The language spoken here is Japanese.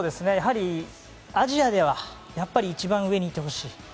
やはりアジアでは一番上にいてほしい。